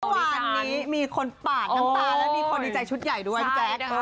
เมื่อวานนี้มีคนปาดน้ำตาและมีคนดีใจชุดใหญ่ด้วยพี่แจ๊ค